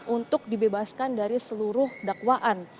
untuk dibebaskan dari seluruh dakwaan